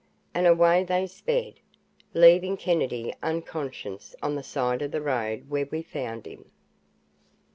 And away they sped, leaving Kennedy unconscious on the side of the road where we found him.